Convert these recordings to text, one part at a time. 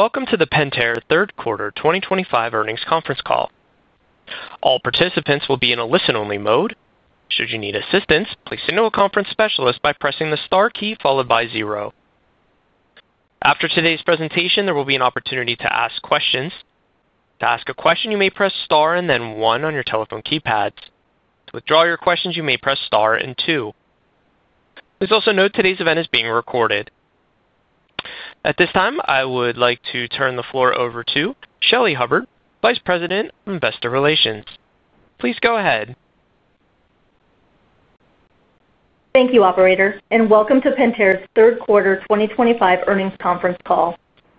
Welcome to the Pentair third quarter 2025 earnings conference call. All participants will be in a listen-only mode. Should you need assistance, please send to a conference specialist by pressing the star key followed by zero. After today's presentation, there will be an opportunity to ask questions. To ask a question, you may press star and then one on your telephone keypads. To withdraw your questions, you may press star and two. Please also note today's event is being recorded. At this time, I would like to turn the floor over to Shelly Hubbard, Vice President of Investor Relations. Please go ahead. Thank you, operator, and welcome to Pentair's third quarter 2025 earnings conference call.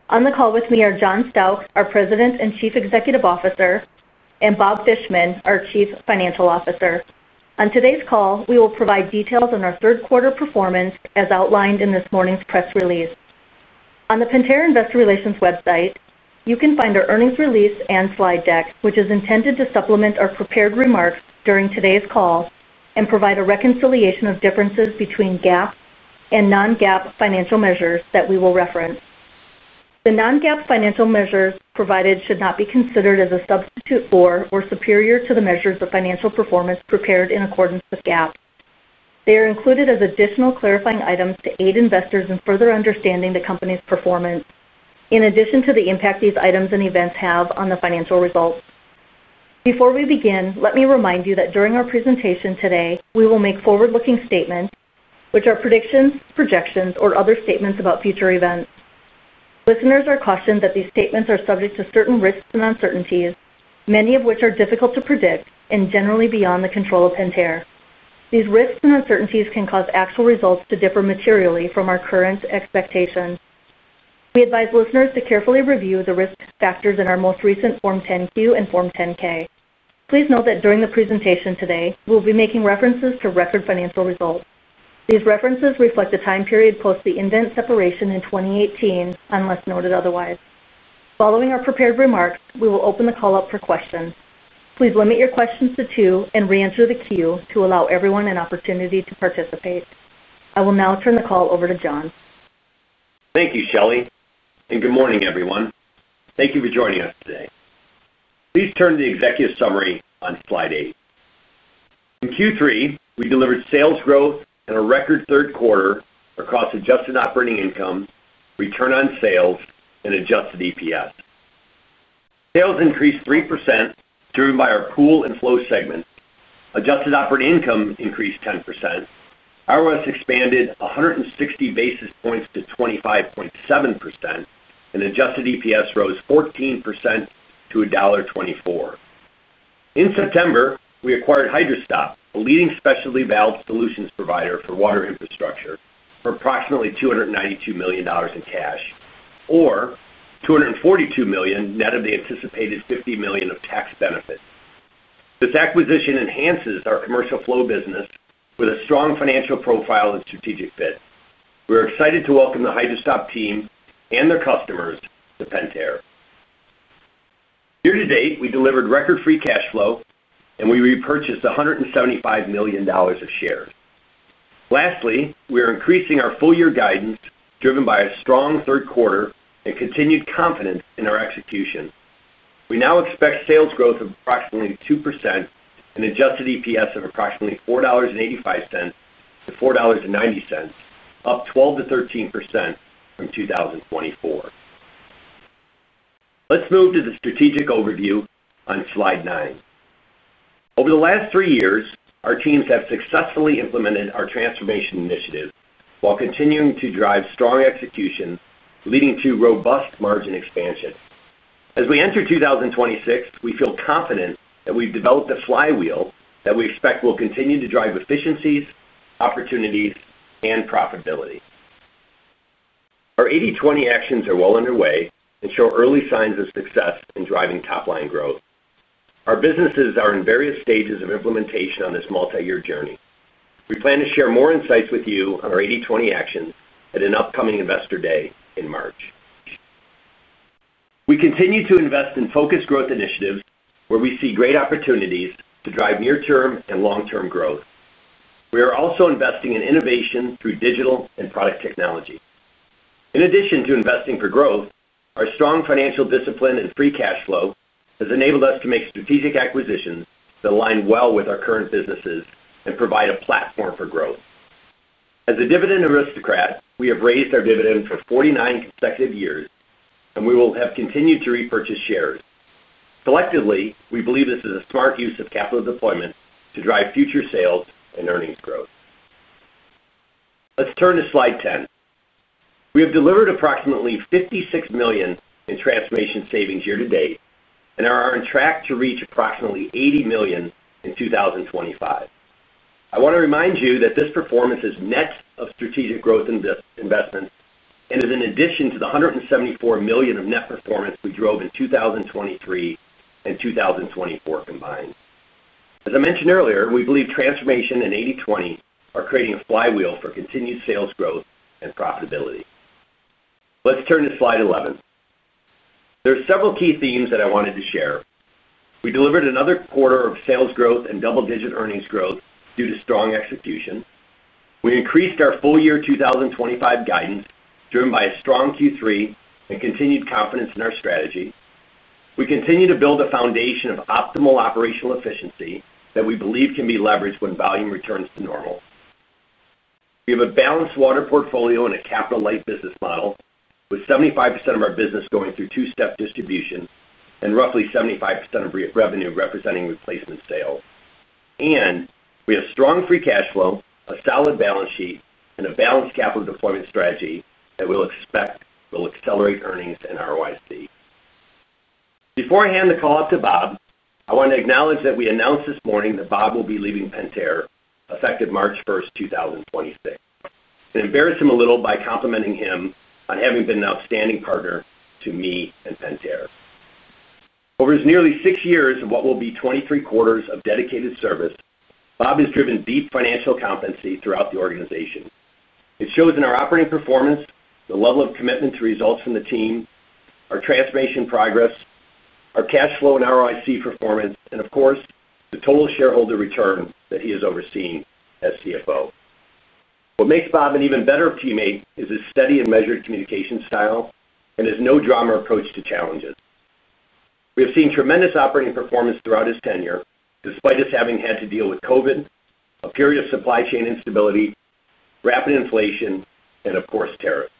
On the call with me are John Stauch, our President and Chief Executive Officer, and Bob Fishman, our Chief Financial Officer. On today's call, we will provide details on our third quarter performance as outlined in this morning's press release. On the Pentair investor relations website, you can find our earnings release and slide deck, which is intended to supplement our prepared remarks during today's call and provide a reconciliation of differences between GAAP and non-GAAP financial measures that we will reference. The non-GAAP financial measures provided should not be considered as a substitute for or superior to the measures of financial performance prepared in accordance with GAAP. They are included as additional clarifying items to aid investors in further understanding the company's performance, in addition to the impact these items and events have on the financial results. Before we begin, let me remind you that during our presentation today, we will make forward-looking statements, which are predictions, projections, or other statements about future events. Listeners are cautioned that these statements are subject to certain risks and uncertainties, many of which are difficult to predict and generally beyond the control of Pentair. These risks and uncertainties can cause actual results to differ materially from our current expectations. We advise listeners to carefully review the risk factors in our most recent Form 10-Q and Form 10-K. Please note that during the presentation today, we'll be making references to record financial results. These references reflect the time period post the event separation in 2018, unless noted otherwise. Following our prepared remarks, we will open the call up for questions. Please limit your questions to two and reenter the queue to allow everyone an opportunity to participate. I will now turn the call over to John. Thank you, Shelly, and good morning, everyone. Thank you for joining us today. Please turn to the executive summary on slide eight. In Q3, we delivered sales growth and a record third quarter across adjusted operating income, return on sales, and adjusted EPS. Sales increased 3%, driven by our Pool and Flow segments. Adjusted operating income increased 10%. ROS expanded 160 basis points to 25.7%, and adjusted EPS rose 14% to $1.24. In September, we acquired Hydra-Stop, a leading specialty valve solutions provider for water infrastructure, for approximately $292 million in cash, or $242 million net of the anticipated $50 million of tax benefits. This acquisition enhances our commercial Flow business with a strong financial profile and strategic fit. We are excited to welcome the Hydra-Stop team and their customers to Pentair. Year to date, we delivered record free cash flow, and we repurchased $175 million of shares. Lastly, we are increasing our full-year guidance, driven by a strong third quarter and continued confidence in our execution. We now expect sales growth of approximately 2% and adjusted EPS of approximately $4.85-$4.90, up 12%-13% from 2024. Let's move to the strategic overview on slide nine. Over the last three years, our teams have successfully implemented our transformation initiatives while continuing to drive strong execution, leading to robust margin expansion. As we enter 2026, we feel confident that we've developed a flywheel that we expect will continue to drive efficiencies, opportunities, and profitability. Our 80/20 actions are well underway and show early signs of success in driving top-line growth. Our businesses are in various stages of implementation on this multi-year journey. We plan to share more insights with you on our 80/20 actions at an upcoming Investor Day in March. We continue to invest in focused growth initiatives where we see great opportunities to drive near-term and long-term growth. We are also investing in innovation through digital and product technology. In addition to investing for growth, our strong financial discipline and free cash flow have enabled us to make strategic acquisitions that align well with our current businesses and provide a platform for growth. As a dividend aristocrat, we have raised our dividend for 49 consecutive years, and we will have continued to repurchase shares. Collectively, we believe this is a smart use of capital deployment to drive future sales and earnings growth. Let's turn to slide 10. We have delivered approximately $56 million in transformation savings year to date and are on track to reach approximately $80 million in 2025. I want to remind you that this performance is net of strategic growth investments and is in addition to the $174 million of net performance we drove in 2023 and 2024 combined. As I mentioned earlier, we believe transformation and 80/20 initiatives are creating a flywheel for continued sales growth and profitability. Let's turn to slide 11. There are several key themes that I wanted to share. We delivered another quarter of sales growth and double-digit earnings growth due to strong execution. We increased our full-year 2025 guidance, driven by a strong Q3 and continued confidence in our strategy. We continue to build a foundation of optimal operational efficiency that we believe can be leveraged when volume returns to normal. We have a balanced water portfolio and a capital-light business model, with 75% of our business going through two-step distribution and roughly 75% of revenue representing replacement sales. We have strong free cash flow, a solid balance sheet, and a balanced capital deployment strategy that we expect will accelerate earnings and ROIC. Before I hand the call up to Bob, I want to acknowledge that we announced this morning that Bob will be leaving Pentair effective March 1st, 2026. I want to embarrass him a little by complimenting him on having been an outstanding partner to me and Pentair. Over his nearly six years of what will be 23 quarters of dedicated service, Bob has driven deep financial competency throughout the organization. It shows in our operating performance, the level of commitment to results from the team, our transformation progress, our cash flow and ROIC performance, and of course, the total shareholder return that he is overseeing as CFO. What makes Bob an even better teammate is his steady and measured communication style and his no-drama approach to challenges. We have seen tremendous operating performance throughout his tenure, despite us having had to deal with COVID, a period of supply chain instability, rapid inflation, and of course, tariffs.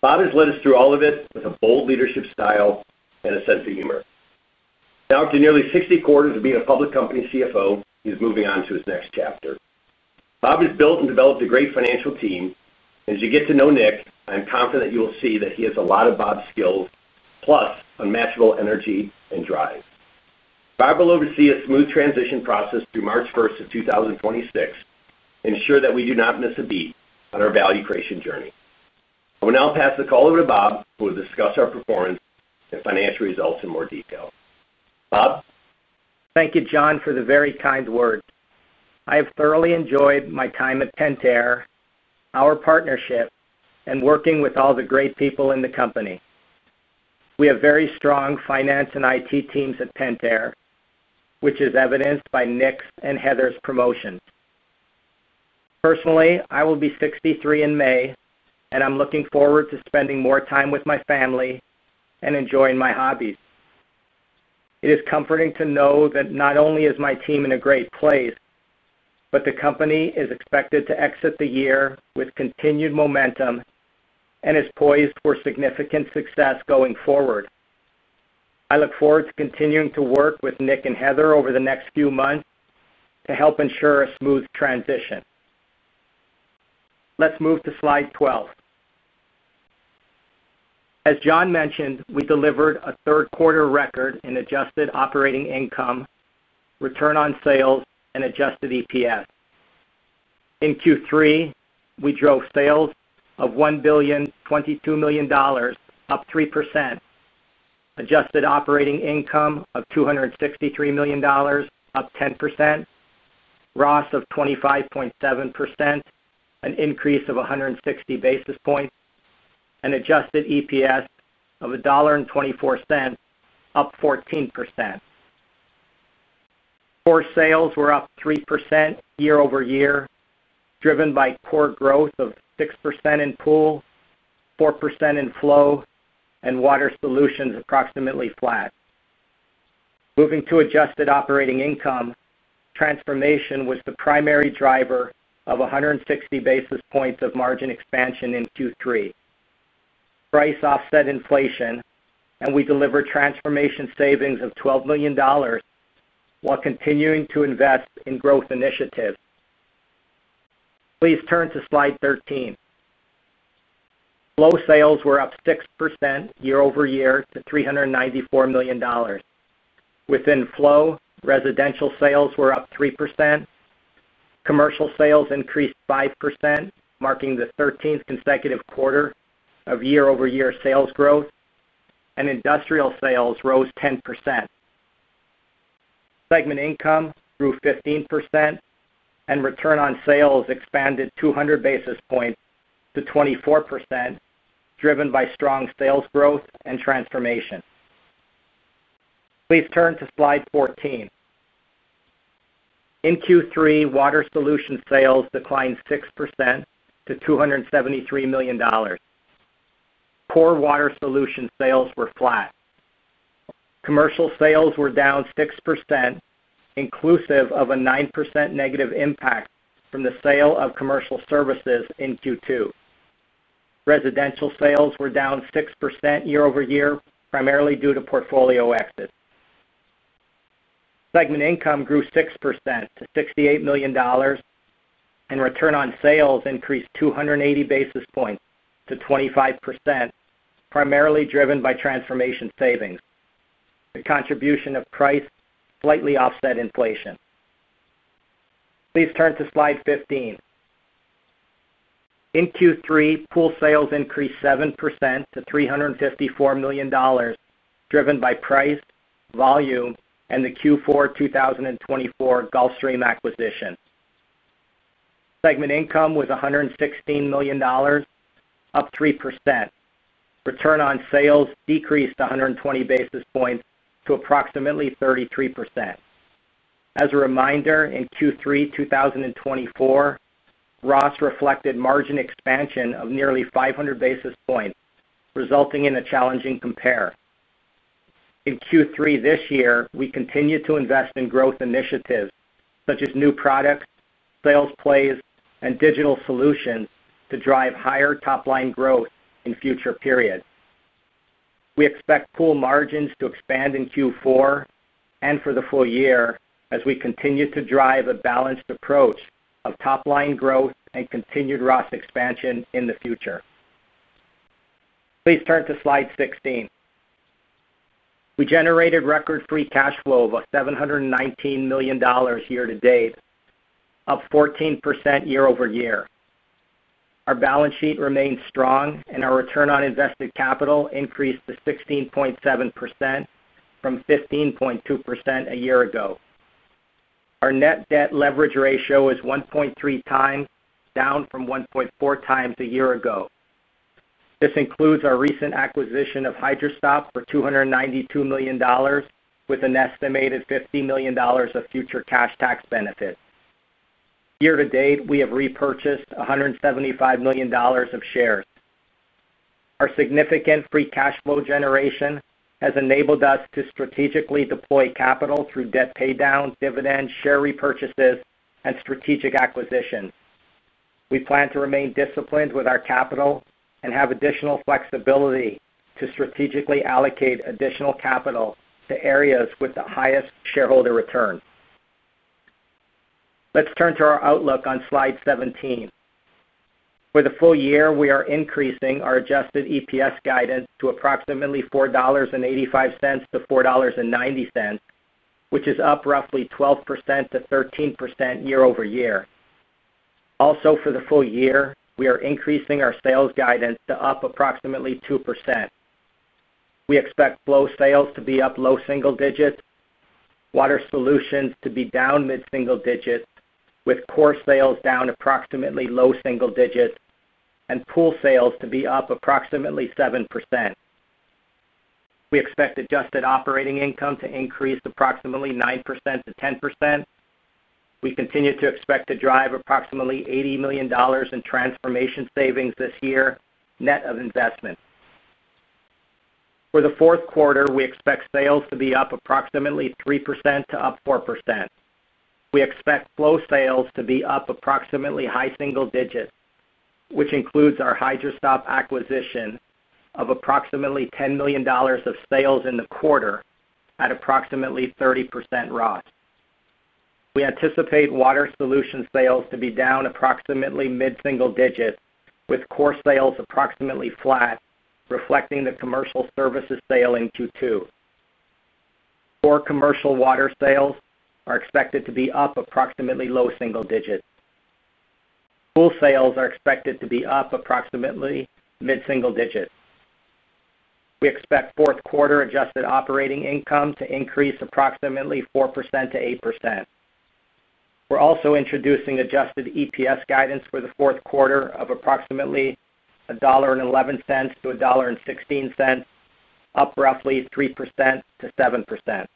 Bob has led us through all of it with a bold leadership style and a sense of humor. Now, after nearly 60 quarters of being a public company CFO, he's moving on to his next chapter. Bob has built and developed a great financial team, and as you get to know Nick, I'm confident that you will see that he has a lot of Bob's skills, plus unmatchable energy and drive. Bob will oversee a smooth transition process through March 1st, 2026, and ensure that we do not miss a beat on our value creation journey. I will now pass the call over to Bob, who will discuss our performance and financial results in more detail. Bob? Thank you, John, for the very kind words. I have thoroughly enjoyed my time at Pentair, our partnership, and working with all the great people in the company. We have very strong finance and IT teams at Pentair, which is evidenced by Nick's and Heather's promotions. Personally, I will be 63 in May, and I'm looking forward to spending more time with my family and enjoying my hobbies. It is comforting to know that not only is my team in a great place, but the company is expected to exit the year with continued momentum and is poised for significant success going forward. I look forward to continuing to work with Nick and Heather over the next few months to help ensure a smooth transition. Let's move to slide 12. As John mentioned, we delivered a third-quarter record in adjusted operating income, return on sales, and adjusted EPS. In Q3, we drove sales of $1.022 million, up 3%, adjusted operating income of $263 million, up 10%, ROS of 25.7%, an increase of 160 basis points, and adjusted EPS of $1.24, up 14%. Core sales were up 3% year-over-year, driven by core growth of 6% in Pool, 4% in Flow, and Water Solutions approximately flat. Moving to adjusted operating income, transformation was the primary driver of 160 basis points of margin expansion in Q3. Price offset inflation, and we delivered transformation savings of $12 million while continuing to invest in growth initiatives. Please turn to slide 13. Flow sales were up 6% year-over-year to $394 million. Within Flow, residential sales were up 3%, commercial sales increased 5%, marking the 13th consecutive quarter of year-over-year sales growth, and industrial sales rose 10%. Segment income grew 15%, and return on sales expanded 200 basis points to 24%, driven by strong sales growth and transformation. Please turn to slide 14. In Q3, Water Solutions sales declined 6% to $273 million. Core Water Solutions sales were flat. Commercial sales were down 6%, inclusive of a 9% negative impact from the sale of commercial services in Q2. Residential sales were down 6% year-over-year, primarily due to portfolio exits. Segment income grew 6% to $68 million, and return on sales increased 280 basis points to 25%, primarily driven by transformation savings, the contribution of price slightly offset inflation. Please turn to slide 15. In Q3, Pool sales increased 7% to $354 million, driven by price, volume, and the Q4 2024 Gulfstream acquisition. Segment income was $116 million, up 3%. Return on sales decreased 120 basis points to approximately 33%. As a reminder, in Q3 2024, ROS reflected margin expansion of nearly 500 basis points, resulting in a challenging compare. In Q3 this year, we continue to invest in growth initiatives such as new products, sales plays, and digital solutions to drive higher top-line growth in future periods. We expect pool margins to expand in Q4 and for the full year as we continue to drive a balanced approach of top-line growth and continued ROS expansion in the future. Please turn to slide 16. We generated record free cash flow of $719 million year to date, up 14% year-over-year. Our balance sheet remains strong, and our return on invested capital increased to 16.7% from 15.2% a year ago. Our net debt leverage ratio is 1.3x, down from 1.4x a year ago. This includes our recent acquisition of Hydra-Stop for $292 million, with an estimated $50 million of future cash tax benefits. Year to date, we have repurchased $175 million of shares. Our significant free cash flow generation has enabled us to strategically deploy capital through debt paydown, dividends, share repurchases, and strategic acquisitions. We plan to remain disciplined with our capital and have additional flexibility to strategically allocate additional capital to areas with the highest shareholder return. Let's turn to our outlook on slide 17. For the full year, we are increasing our adjusted EPS guidance to approximately $4.85-$4.90, which is up roughly 12%-13% year-over-year. Also, for the full year, we are increasing our sales guidance to up approximately 2%. We expect Flow sales to be up low single digits, Water Solutions to be down mid-single digits, with core sales down approximately low single digits, and Pool sales to be up approximately 7%. We expect adjusted operating income to increase approximately 9%-10%. We continue to expect to drive approximately $80 million in transformation savings this year, net of investment. For the fourth quarter, we expect sales to be up approximately 3% to up 4%. We expect Flow sales to be up approximately high single digits, which includes our Hydra-Stop acquisition of approximately $10 million of sales in the quarter at approximately 30% ROS. We anticipate Water Solutions sales to be down approximately mid-single digits, with core sales approximately flat, reflecting the commercial services sale in Q2. Core commercial water sales are expected to be up approximately low single digits. Pool sales are expected to be up approximately mid-single digits. We expect fourth quarter adjusted operating income to increase approximately 4%-8%. We're also introducing adjusted EPS guidance for the fourth quarter of approximately $1.11-$1.16, up roughly 3%-7%.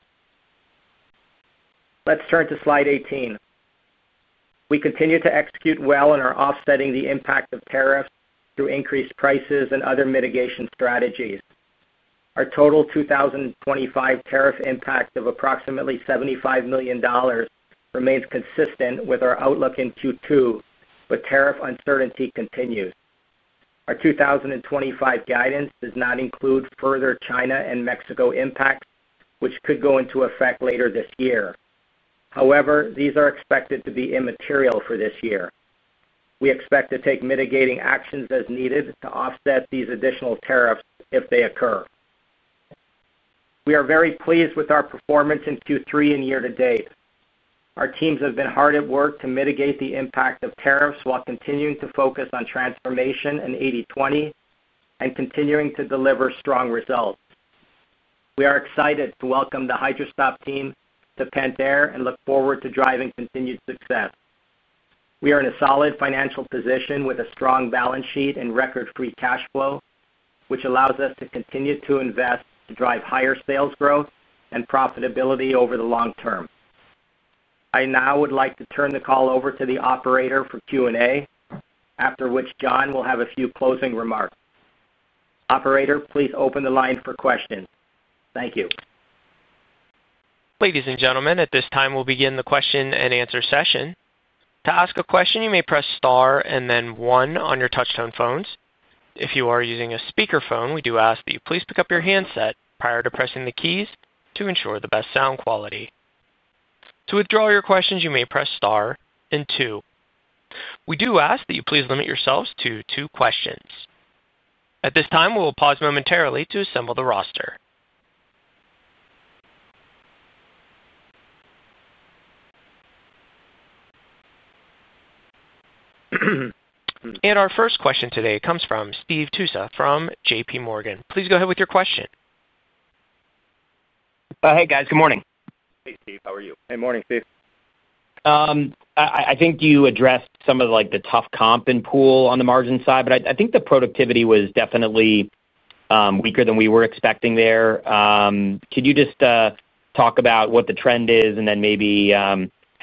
Let's turn to slide 18. We continue to execute well in our offsetting the impact of tariffs through increased prices and other mitigation strategies. Our total 2025 tariff impact of approximately $75 million remains consistent with our outlook in Q2, but tariff uncertainty continues. Our 2025 guidance does not include further China and Mexico impacts, which could go into effect later this year. However, these are expected to be immaterial for this year. We expect to take mitigating actions as needed to offset these additional tariffs if they occur. We are very pleased with our performance in Q3 and year to date. Our teams have been hard at work to mitigate the impact of tariffs while continuing to focus on transformation and 80/20 and continuing to deliver strong results. We are excited to welcome the Hydra-Stop team to Pentair and look forward to driving continued success. We are in a solid financial position with a strong balance sheet and record free cash flow, which allows us to continue to invest to drive higher sales growth and profitability over the long term. I now would like to turn the call over to the operator for Q&A, after which John will have a few closing remarks. Operator, please open the line for questions. Thank you. Ladies and gentlemen, at this time, we'll begin the question and answer session. To ask a question, you may press star and then one on your touch-tone phones. If you are using a speakerphone, we do ask that you please pick up your handset prior to pressing the keys to ensure the best sound quality. To withdraw your questions, you may press star and two. We do ask that you please limit yourselves to two questions. At this time, we will pause momentarily to assemble the roster. Our first question today comes from Steve Tusa from JPMorgan. Please go ahead with your question. Hey, guys. Good morning. Hey, Steve. How are you? Good morning, Steve. I think you addressed some of the tough comp in Pool on the margin side, but I think the productivity was definitely weaker than we were expecting there. Could you just talk about what the trend is, and then maybe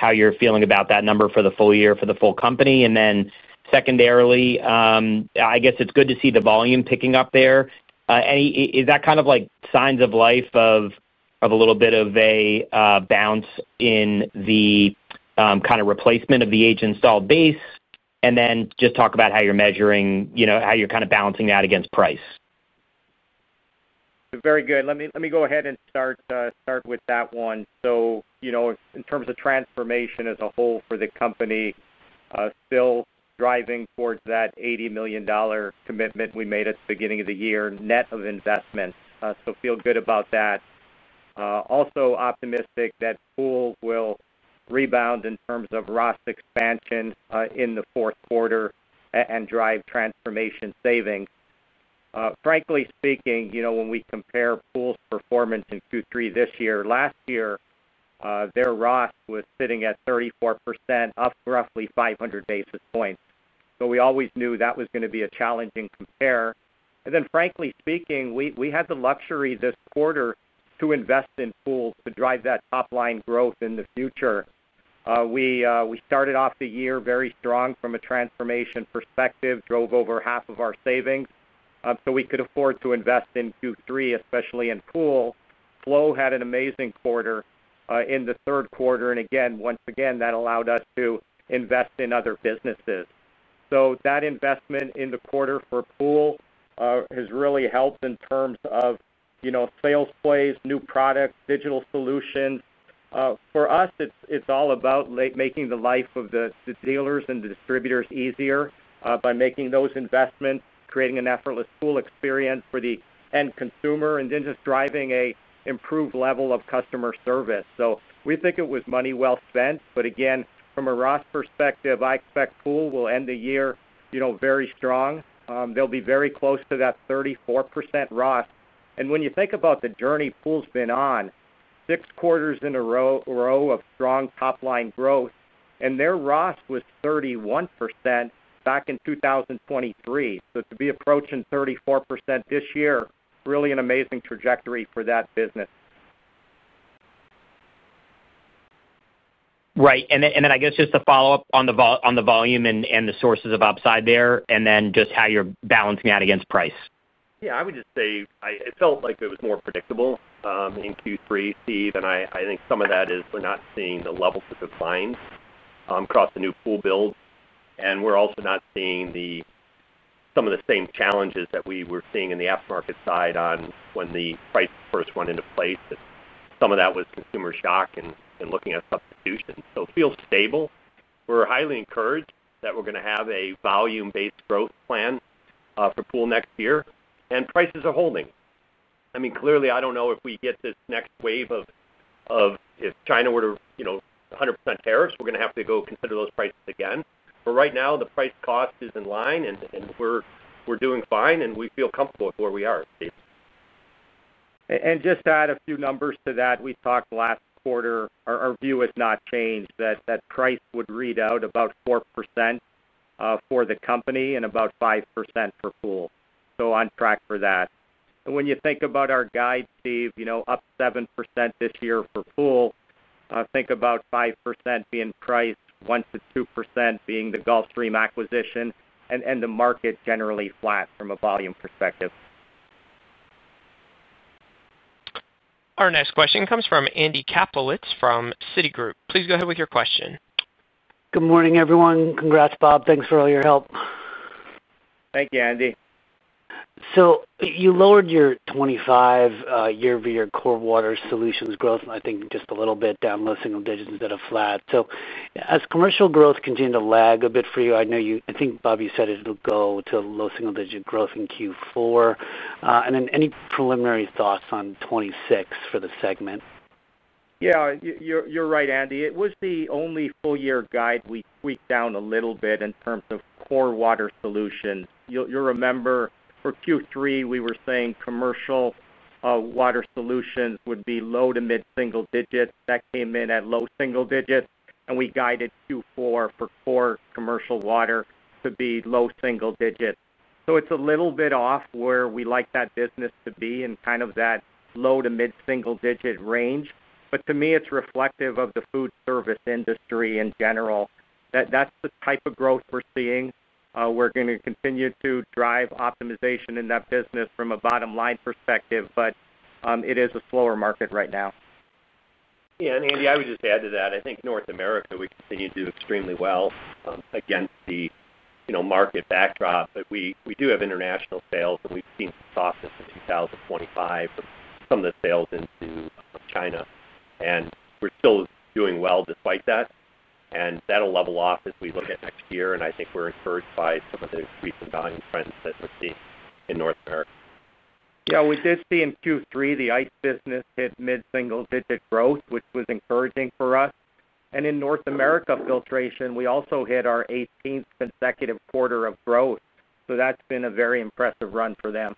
how you're feeling about that number for the full year for the full company? Secondarily, I guess it's good to see the volume picking up there. Is that kind of like signs of life of a little bit of a bounce in the kind of replacement of the age-installed base? Just talk about how you're measuring, you know, how you're kind of balancing that against price. Very good. Let me go ahead and start with that one. In terms of transformation as a whole for the company, still driving towards that $80 million commitment we made at the beginning of the year, net of investment. Feel good about that. Also, optimistic that Pool will rebound in terms of ROS expansion in the fourth quarter and drive transformation savings. Frankly speaking, when we compare Pool's performance in Q3 this year, last year, their ROS was sitting at 34%, up roughly 500 basis points. We always knew that was going to be a challenging compare. Frankly speaking, we had the luxury this quarter to invest in Pool to drive that top-line growth in the future. We started off the year very strong from a transformation perspective, drove over half of our savings, so we could afford to invest in Q3, especially in Pool. Flow had an amazing quarter in the third quarter. Once again, that allowed us to invest in other businesses. That investment in the quarter for Pool has really helped in terms of sales plays, new products, digital solutions. For us, it's all about making the life of the dealers and the distributors easier by making those investments, creating an effortless Pool experience for the end consumer, and just driving an improved level of customer service. We think it was money well spent. From a ROS perspective, I expect Pool will end the year very strong. They'll be very close to that 34% ROS. When you think about the journey Pool's been on, six quarters in a row of strong top-line growth, and their ROS was 31% back in 2023. To be approaching 34% this year, really an amazing trajectory for that business. Right. I guess just to follow up on the volume and the sources of upside there, and how you're balancing that against price. Yeah, I would just say it felt like it was more predictable in Q3, Steve, and I think some of that is we're not seeing the levels of decline across the new pool build. We're also not seeing some of the same challenges that we were seeing in the aftermarket side when the price first went into place. Some of that was consumer shock and looking at substitutions. It feels stable. We're highly encouraged that we're going to have a volume-based growth plan for Pool next year, and prices are holding. I mean, clearly, I don't know if we get this next wave of if China were to, you know, 100% tariffs, we're going to have to go consider those prices again. Right now, the price cost is in line, and we're doing fine, and we feel comfortable with where we are, Steve. Just to add a few numbers to that, we talked last quarter, our view has not changed, that price would read out about 4% for the company and about 5% for Pool. On track for that. When you think about our guide, Steve, up 7% this year for Pool, think about 5% being price, 1%-2% being the Gulfstream acquisition, and the market generally flat from a volume perspective. Our next question comes from Andy Kaplowitz from Citi. Please go ahead with your question. Good morning, everyone. Congrats, Bob. Thanks for all your help. Thank you, Andy. You lowered your 2025 year-over-year core Water Solutions growth, and I think just a little bit down, low single digits instead of flat. Has commercial growth continued to lag a bit for you? I know you, I think, Bob, you said it'll go to low single-digit growth in Q4. Any preliminary thoughts on 2026 for the segment? Yeah, you're right, Andy. It was the only full-year guide we tweaked down a little bit in terms of core Water Solutions. You'll remember for Q3, we were saying commercial Water Solutions would be low to mid-single digits. That came in at low single digits, and we guided Q4 for core commercial water to be low single digits. It's a little bit off where we like that business to be in kind of that low to mid-single digit range. To me, it's reflective of the food service industry in general. That's the type of growth we're seeing. We're going to continue to drive optimization in that business from a bottom-line perspective, but it is a slower market right now. Yeah. Andy, I would just add to that. I think North America, we continue to do extremely well against the market backdrop, but we do have international sales, and we've seen some softness in 2025 from some of the sales into China. We're still doing well despite that. That'll level off as we look at next year, and I think we're encouraged by some of the recent value trends that we're seeing in North America. We did see in Q3 the ice business hit mid-single-digit growth, which was encouraging for us. In North America filtration, we also hit our 18th consecutive quarter of growth. That's been a very impressive run for them.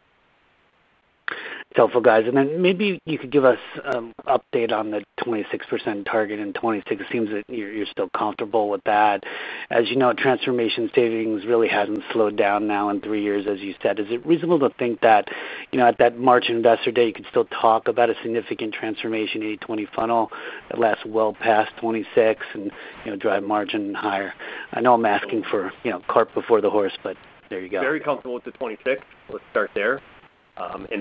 It's helpful, guys. Maybe you could give us an update on the 26% target in 2026. It seems that you're still comfortable with that. As you know, transformation savings really hasn't slowed down now in three years, as you said. Is it reasonable to think that at that margin Investor Day, you could still talk about a significant transformation 80/20 funnel that lasts well past 2026 and drive margin higher? I know I'm asking for, you know, cart before the horse, but there you go. Very comfortable with the 26. Let's start there.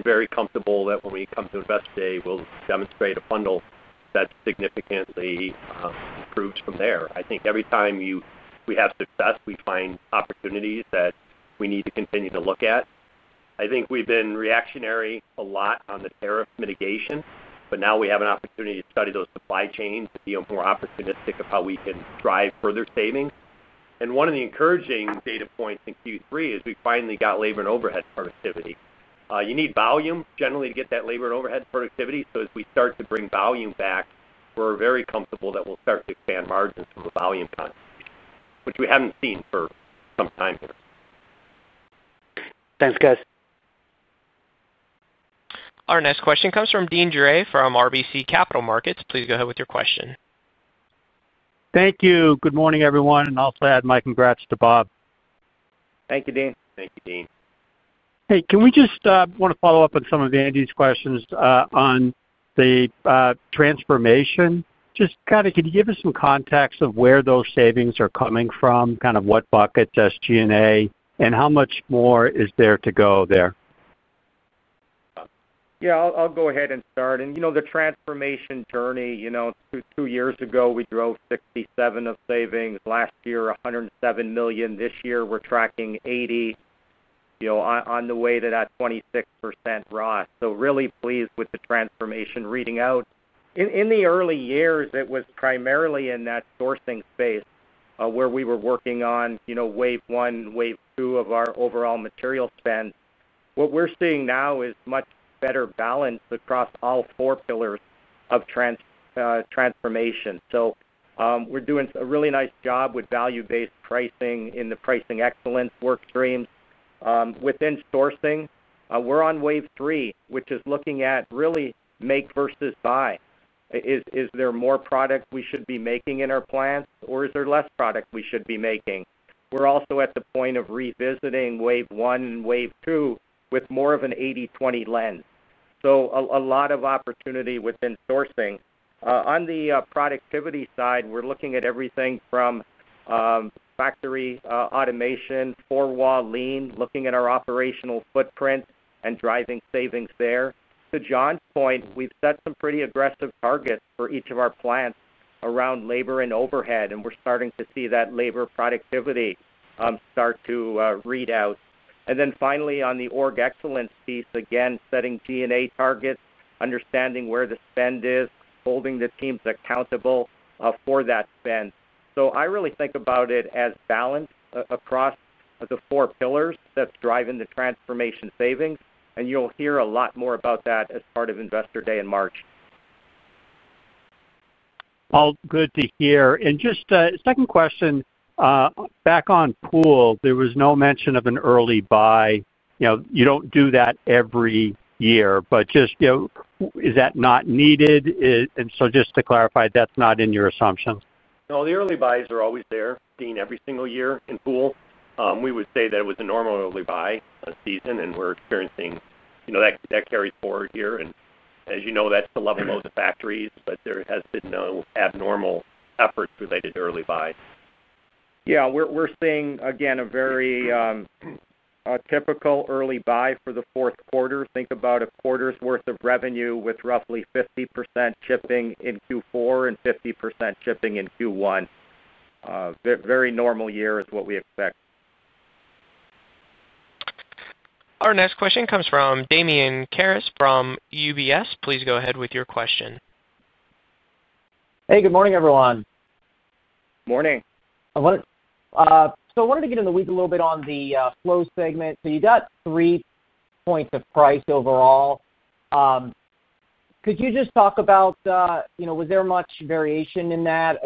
Very comfortable that when we come to Investor Day, we'll demonstrate a funnel that's significantly improved from there. I think every time we have success, we find opportunities that we need to continue to look at. I think we've been reactionary a lot on the tariff mitigation, but now we have an opportunity to study those supply chains and be more opportunistic of how we can drive further savings. One of the encouraging data points in Q3 is we finally got labor and overhead productivity. You need volume generally to get that labor and overhead productivity. As we start to bring volume back, we're very comfortable that we'll start to expand margins from a volume context, which we haven't seen for some time here. Thanks, guys. Our next question comes from Deane Dray from RBC Capital Markets. Please go ahead with your question. Thank you. Good morning, everyone. I will also add my congrats to Bob. Thank you, Dean. Thank you, Dean. Can we just follow up on some of Andy's questions on the transformation? Could you give us some context of where those savings are coming from, what buckets, SG&A, and how much more is there to go there? I'll go ahead and start. The transformation journey, two years ago, we drove $67 million of savings. Last year, $107 million. This year, we're tracking $80 million, on the way to that 26% ROS. Really pleased with the transformation reading out. In the early years, it was primarily in that sourcing space where we were working on wave one, wave two of our overall material spend. What we're seeing now is much better balance across all four pillars of transformation. We're doing a really nice job with value-based pricing in the pricing excellence workstreams. Within sourcing, we're on wave three, which is looking at really make versus buy. Is there more product we should be making in our plants, or is there less product we should be making? We're also at the point of revisiting wave one and wave two with more of an 80/20 lens. A lot of opportunity within sourcing. On the productivity side, we're looking at everything from factory automation, four-wall lean, looking at our operational footprint and driving savings there. To John's point, we've set some pretty aggressive targets for each of our plants around labor and overhead, and we're starting to see that labor productivity start to read out. Finally, on the org excellence piece, again, setting G&A targets, understanding where the spend is, holding the teams accountable for that spend. I really think about it as balanced across the four pillars that's driving the transformation savings, and you'll hear a lot more about that as part of Investor Day in March. All good to hear. Just a second question, back on Pool, there was no mention of an early buy. You know, you don't do that every year, but just, you know, is that not needed? Just to clarify, that's not in your assumptions? No, the early buys are always there, Deane, every single year in Pool. We would say that it was a normal early buy season, and we're experiencing that carries forward here. As you know, that's to level load the factories, but there has been no abnormal efforts related to early buy. We're seeing, again, a very typical early buy for the fourth quarter. Think about a quarter's worth of revenue with roughly 50% chipping in Q4 and 50% chipping in Q1. A very normal year is what we expect. Our next question comes from Damian Karas from UBS. Please go ahead with your question. Hey, good morning, everyone. Morning. I wanted to get into the weeds a little bit on the Flow segment. You got three points of price overall. Could you just talk about, you know, was there much variation in that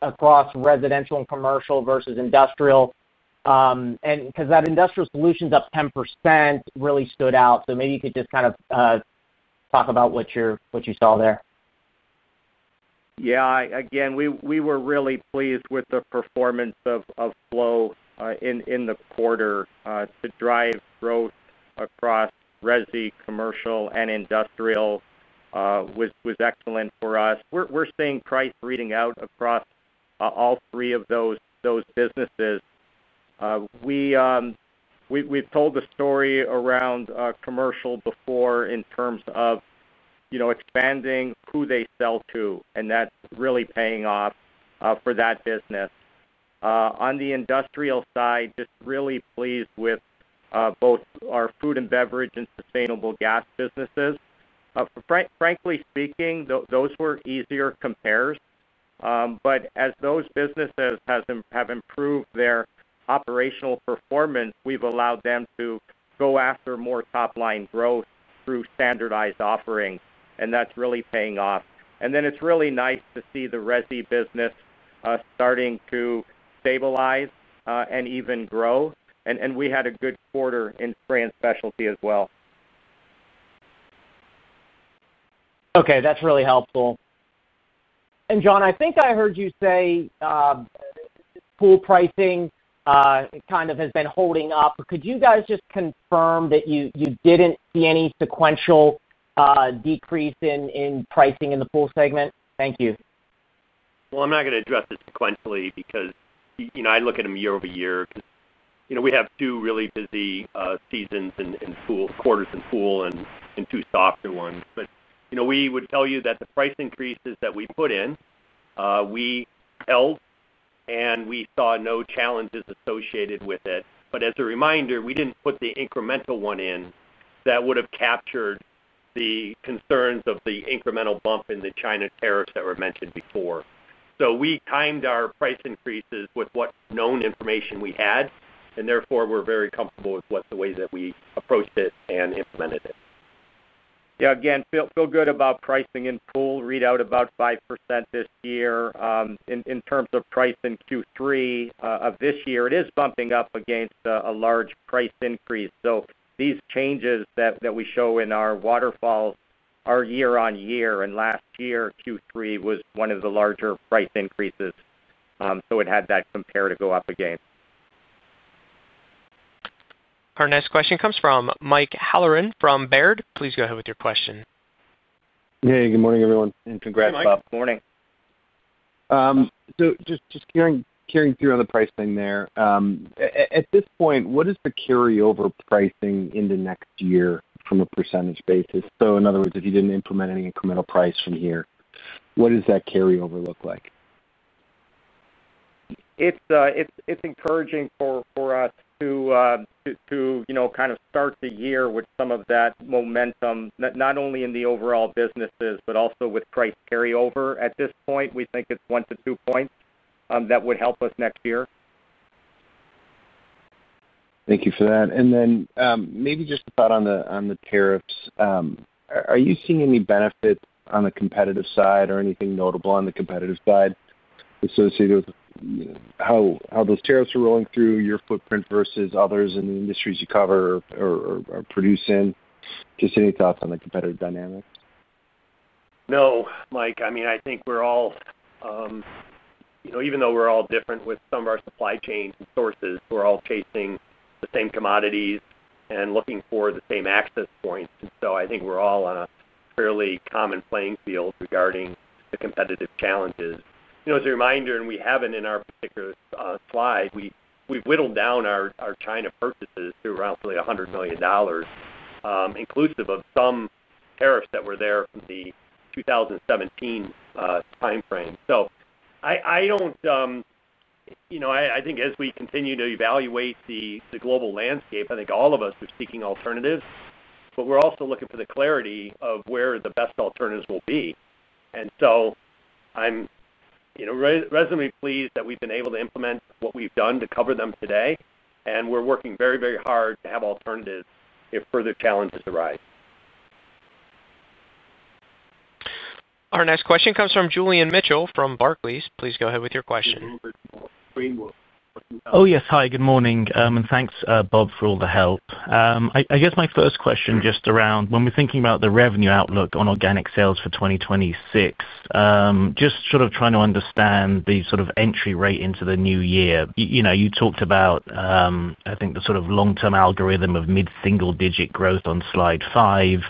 across residential and commercial versus industrial? That industrial solutions up 10% really stood out. Maybe you could just kind of talk about what you saw there. Yeah, again, we were really pleased with the performance of Flow in the quarter. To drive growth across resi, commercial, and industrial was excellent for us. We're seeing price reading out across all three of those businesses. We've told the story around commercial before in terms of expanding who they sell to, and that's really paying off for that business. On the industrial side, just really pleased with both our food and beverage and sustainable gas businesses. Frankly speaking, those were easier compares. As those businesses have improved their operational performance, we've allowed them to go after more top-line growth through standardized offerings, and that's really paying off. It's really nice to see the resi business starting to stabilize and even grow. We had a good quarter in strand specialty as well. Okay, that's really helpful. John, I think I heard you say pool pricing kind of has been holding up. Could you guys just confirm that you didn't see any sequential decrease in pricing in the Pool segment? Thank you. I'm not going to address this sequentially because I look at them year-over-year, because we have two really busy seasons in Pool, quarters in Pool, and two softer ones. We would tell you that the price increases that we put in, we held, and we saw no challenges associated with it. As a reminder, we didn't put the incremental one in that would have captured the concerns of the incremental bump in the China tariffs that were mentioned before. We timed our price increases with what known information we had, and therefore, we're very comfortable with the way that we approached it and implemented it. Yeah, again, feel good about pricing in Pool, read out about 5% this year. In terms of price in Q3 of this year, it is bumping up against a large price increase. These changes that we show in our waterfalls are year on year, and last year, Q3 was one of the larger price increases. It had that compare to go up against. Our next question comes from Mike Halloran from Baird. Please go ahead with your question. Hey, good morning, everyone. Congrats, Bob. Mike, good morning. Just carrying through on the pricing there, at this point, what is the carryover pricing into next year from 1% basis? In other words, if you didn't implement any incremental price from here, what does that carryover look like? It's encouraging for us to start the year with some of that momentum, not only in the overall businesses, but also with price carryover. At this point, we think it's one to two points that would help us next year. Thank you for that. Maybe just a thought on the tariffs. Are you seeing any benefits on the competitive side or anything notable on the competitive side associated with how those tariffs are rolling through your footprint versus others in the industries you cover or produce in? Just any thoughts on the competitive dynamics? No, Mike. I mean, I think we're all, you know, even though we're all different with some of our supply chains and sources, we're all chasing the same commodities and looking for the same access points. I think we're all on a fairly common playing field regarding the competitive challenges. As a reminder, and we have it in our particular slide, we've whittled down our China purchases to roughly $100 million, inclusive of some tariffs that were there from the 2017 timeframe. I don't, you know, I think as we continue to evaluate the global landscape, I think all of us are seeking alternatives, but we're also looking for the clarity of where the best alternatives will be. I'm, you know, reasonably pleased that we've been able to implement what we've done to cover them today, and we're working very, very hard to have alternatives if further challenges arise. Our next question comes from Julian Mitchell from Barclays. Please go ahead with your question. Yes, hi, good morning. Thanks, Bob, for all the help. I guess my first question just around when we're thinking about the revenue outlook on organic sales for 2026, just sort of trying to understand the sort of entry rate into the new year. You talked about, I think, the sort of long-term algorithm of mid-single-digit growth on slide five,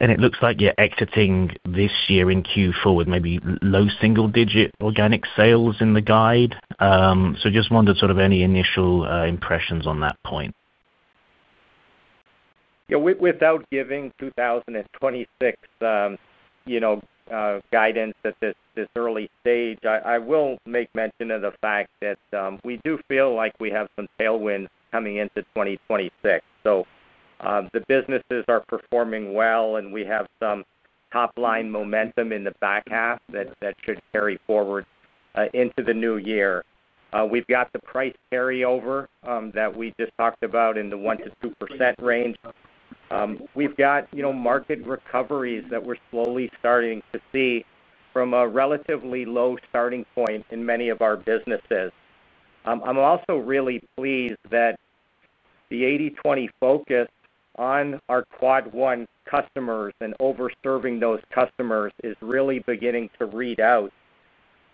and it looks like you're exiting this year in Q4 with maybe low single-digit organic sales in the guide. I just wondered any initial impressions on that point. Yeah, without giving 2026 guidance at this early stage, I will make mention of the fact that we do feel like we have some tailwinds coming into 2026. The businesses are performing well, and we have some top-line momentum in the back half that should carry forward into the new year. We've got the price carryover that we just talked about in the 1%-2% range. We've got market recoveries that we're slowly starting to see from a relatively low starting point in many of our businesses. I'm also really pleased that the 80/20 focus on our Quad one customers and overserving those customers is really beginning to read out.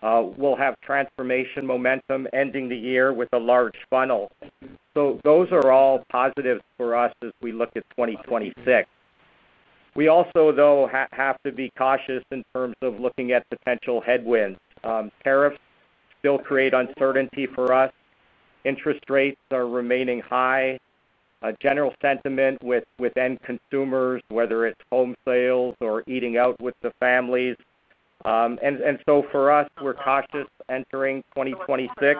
We'll have transformation momentum ending the year with a large funnel. Those are all positives for us as we look at 2026. We also, though, have to be cautious in terms of looking at potential headwinds. Tariffs still create uncertainty for us. Interest rates are remaining high. General sentiment with end consumers, whether it's home sales or eating out with the families. For us, we're cautious entering 2026.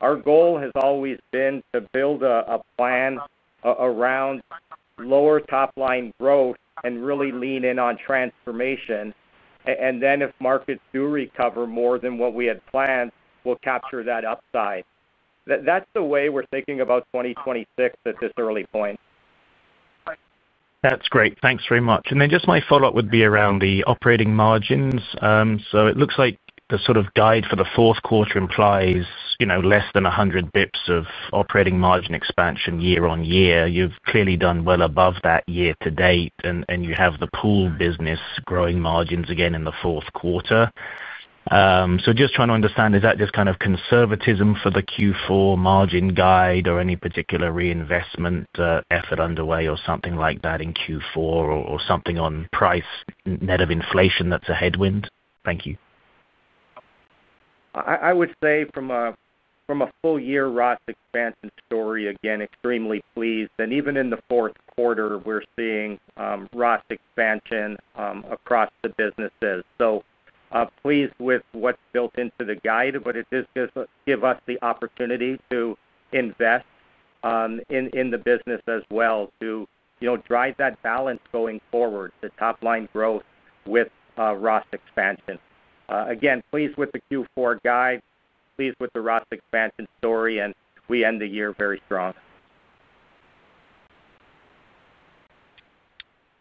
Our goal has always been to build a plan around lower top-line growth and really lean in on transformation. If markets do recover more than what we had planned, we'll capture that upside. That's the way we're thinking about 2026 at this early point. That's great. Thanks very much. My follow-up would be around the operating margins. It looks like the sort of guide for the fourth quarter implies less than 100 basis points of operating margin expansion year on year. You've clearly done well above that year to date, and you have the Pool business growing margins again in the fourth quarter. Just trying to understand, is that just kind of conservatism for the Q4 margin guide or any particular reinvestment effort underway or something like that in Q4, or something on price net of inflation that's a headwind? Thank you. I would say from a full-year ROS expansion story, again, extremely pleased. Even in the fourth quarter, we're seeing ROS expansion across the businesses. Pleased with what's built into the guide, but it does give us the opportunity to invest in the business as well to drive that balance going forward, the top-line growth with ROS expansion. Again, pleased with the Q4 guide, pleased with the ROS expansion story, and we end the year very strong.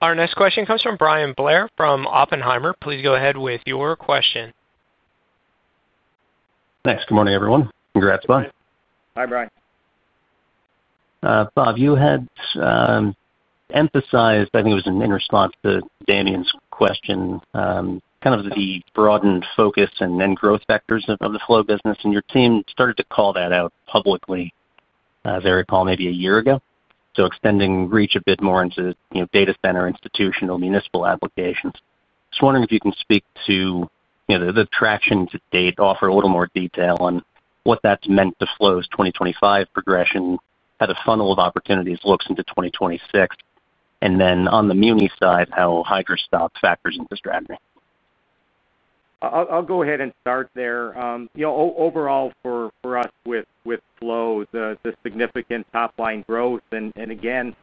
Our next question comes from Brian Blair from Oppenheimer. Please go ahead with your question. Thanks. Good morning, everyone. Congrats, Bob. Hi, Brian. Bob, you had emphasized, I think it was in response to Damian's question, kind of the broadened focus and growth vectors of the Flow business, and your team started to call that out publicly, as I recall, maybe a year ago. Extending reach a bit more into data center, institutional, municipal applications. Just wondering if you can speak to the traction to date, offer a little more detail on what that's meant to Flow's 2025 progression, how the funnel of opportunities looks into 2026, and on the muni side, how Hydra-Stop factors into the strategy. I'll go ahead and start there. Overall for us with Flow, the significant top-line growth, and again,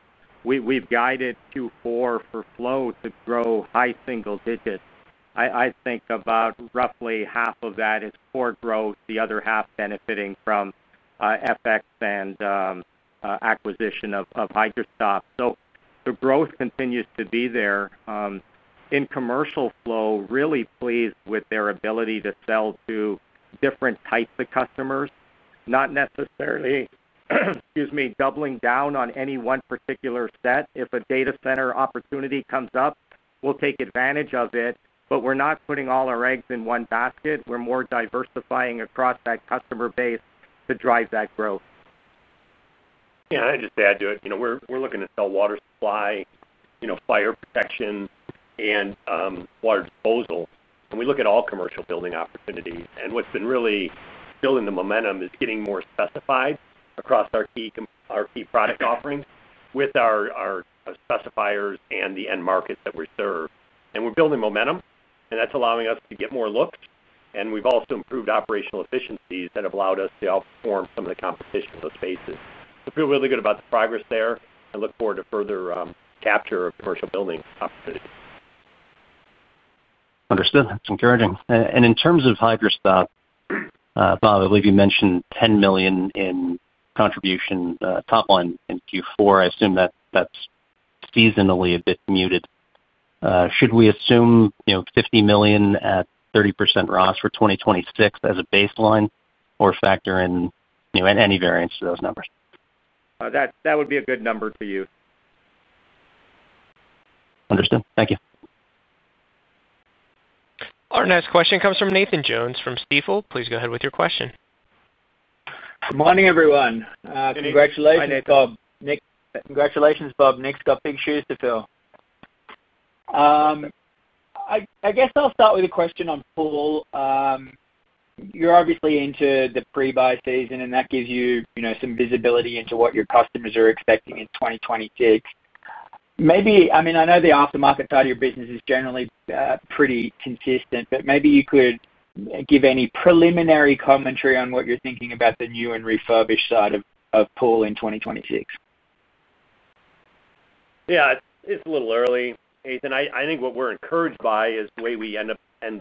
we've guided Q4 for Flow to grow high single digits. I think about roughly half of that is core growth, the other half benefiting from FX and acquisition of Hydro-Stop. The growth continues to be there. In commercial Flow, really pleased with their ability to sell to different types of customers, not necessarily doubling down on any one particular set. If a data center opportunity comes up, we'll take advantage of it, but we're not putting all our eggs in one basket. We're more diversifying across that customer base to drive that growth. I'd just add to it, we're looking to sell water supply, fire protection, and water disposal. We look at all commercial building opportunities. What's been really building the momentum is getting more specified across our key product offerings with our specifiers and the end markets that we serve. We're building momentum, and that's allowing us to get more looks. We've also improved operational efficiencies that have allowed us to outperform some of the competition in those spaces. Feel really good about the progress there and look forward to further capture of commercial building opportunities. Understood. That's encouraging. In terms of Hydra-Stop, Bob, I believe you mentioned $10 million in contribution top line in Q4. I assume that's seasonally a bit muted. Should we assume $50 million at 30% ROS for 2026 as a baseline or factor in any variance to those numbers? That would be a good number to use. Understood. Thank you. Our next question comes from Nathan Jones from Stifel. Please go ahead with your question. Good morning, everyone. Congratulations. Hi, Nick. Bob. Nick. Congratulations, Bob. Nick's got big shoes to fill. I guess I'll start with a question on Pool. You're obviously into the pre-buy season, and that gives you some visibility into what your customers are expecting in 2026. Maybe, I mean, I know the aftermarket side of your business is generally pretty consistent, but maybe you could give any preliminary commentary on what you're thinking about the new and refurbished side of Pool in 2026. Yeah, it's a little early, Nathan. I think what we're encouraged by is the way we end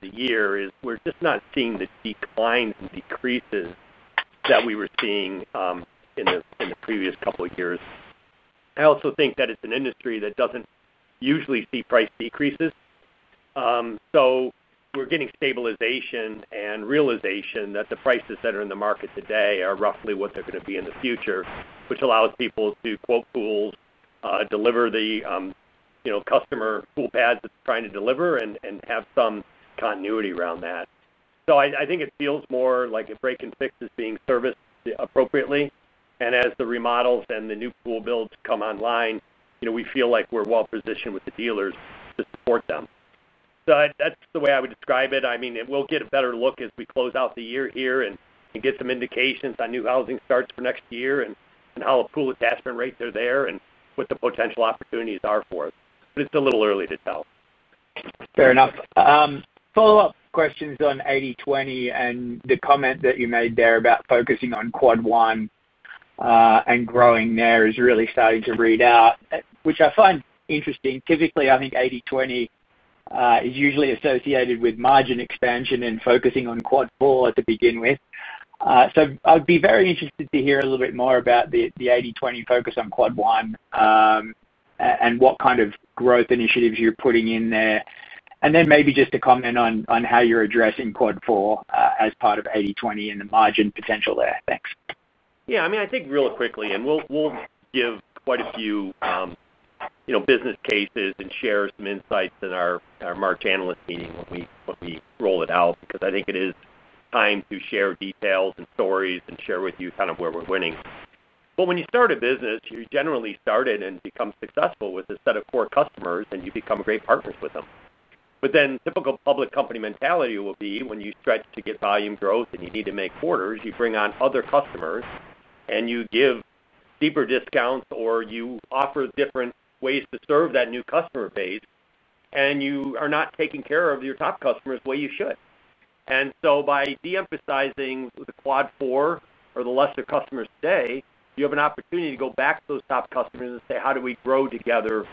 the year is we're just not seeing the declines and decreases that we were seeing in the previous couple of years. I also think that it's an industry that doesn't usually see price decreases. We're getting stabilization and realization that the prices that are in the market today are roughly what they're going to be in the future, which allows people to quote pools, deliver the, you know, customer pool pads that they're trying to deliver, and have some continuity around that. I think it feels more like a break and fix is being serviced appropriately. As the remodels and the new pool builds come online, we feel like we're well positioned with the dealers to support them. That's the way I would describe it. I mean, we'll get a better look as we close out the year here and get some indications on new housing starts for next year and how the pool attachment rates are there and what the potential opportunities are for us. It's a little early to tell. Fair enough. Follow-up questions on 80/20 and the comment that you made there about focusing on quad one and growing there is really starting to read out, which I find interesting. Typically, I think 80/20 is usually associated with margin expansion and focusing on quad four to begin with. I'd be very interested to hear a little bit more about the 80/20 focus on quad one and what kind of growth initiatives you're putting in there. Maybe just a comment on how you're addressing quad four as part of 80/20 and the margin potential there. Thanks. Yeah, I mean, I think really quickly, we'll give quite a few business cases and share some insights in our March analyst meeting when we roll it out because I think it is time to share details and stories and share with you kind of where we're winning. When you start a business, you generally start it and become successful with a set of core customers, and you become great partners with them. Typical public company mentality will be when you stretch to get volume growth and you need to make quarters, you bring on other customers and you give deeper discounts or you offer different ways to serve that new customer base, and you are not taking care of your top customers the way you should. By de-emphasizing the quad four or the lesser customers today, you have an opportunity to go back to those top customers and say, "How do we grow together?"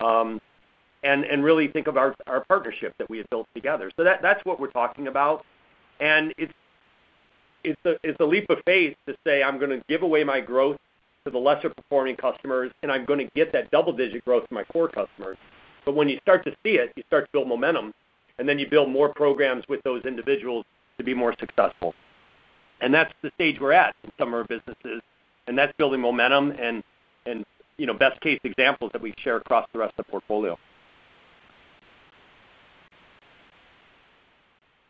and really think about our partnership that we have built together. That's what we're talking about. It's a leap of faith to say, "I'm going to give away my growth to the lesser performing customers, and I'm going to get that double-digit growth to my core customers." When you start to see it, you start to build momentum, and then you build more programs with those individuals to be more successful. That's the stage we're at in some of our businesses, and that's building momentum and best-case examples that we share across the rest of the portfolio.